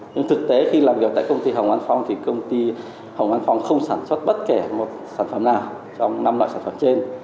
nhưng thực tế khi làm việc tại công ty hồng an phong thì công ty hồng an phong không sản xuất bất kể một sản phẩm nào trong năm loại sản phẩm trên